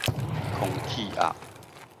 空氣壓